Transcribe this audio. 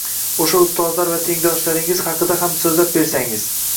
O`sha ustozlar va tengdoshlaringiz haqida ham so`zlab bersangiz